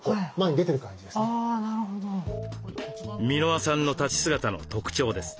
箕輪さんの立ち姿の特徴です。